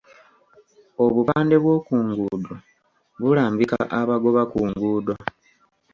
Obupande bw'oku nguudo bulambika abagoba ku nguudo.